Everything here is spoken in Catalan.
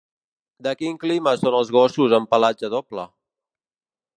De quin clima són els gossos amb pelatge doble?